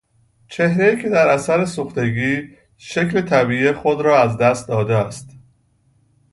چهرهای که در اثر سوختگی شکل طبیعی خود را از دست داده است